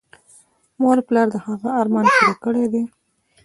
مور پلار د هغه هر ارمان پوره کړی دی